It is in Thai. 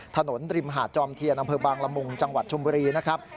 ถนนริมหาดจอมเทียนอำเภอบางละมุงจังหวัดชมบุรีนะครับ